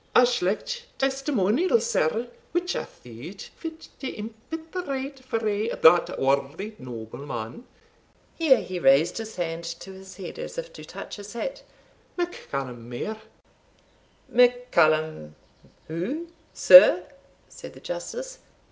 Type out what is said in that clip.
"A slight testimonial, sir, which I thought fit to impetrate from that worthy nobleman" (here he raised his hand to his head, as if to touch his hat), "MacCallum More." "MacCallum who, sir?" said the Justice.